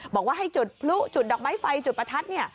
บอกว่าให้จุดพลุจุดดอกไม้ไฟจุดประทัดเนี่ย